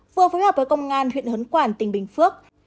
vừa phối hợp với công an huyện hớn quản tỉnh bình phước